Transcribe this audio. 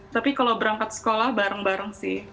tapi kalau berangkat sekolah bareng bareng sih